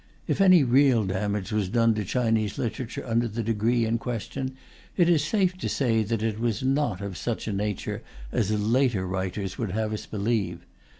If any real damage was done to Chinese literature under the decree in question, it is safe to say that it was not of such a nature as later writers would have us believe.